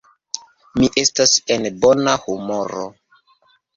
Mi estas en bona humoro.